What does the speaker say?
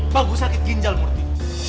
bagus sakit ginjal murti